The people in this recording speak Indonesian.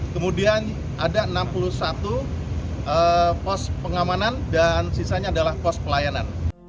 kemudian ada enam puluh satu pos pengamanan dan sisanya adalah pos pelayanan